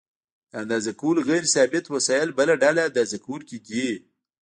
د اندازه کولو غیر ثابت وسایل بله ډله اندازه کوونکي دي.